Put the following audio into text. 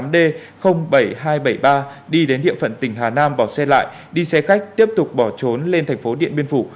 tám d bảy nghìn hai trăm bảy mươi ba đi đến địa phận tỉnh hà nam bỏ xe lại đi xe khách tiếp tục bỏ trốn lên thành phố điện biên phủ